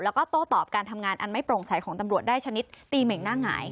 แล้วก็โต้ตอบการทำงานอันไม่โปร่งใสของตำรวจได้ชนิดตีเหม่งหน้าหงาย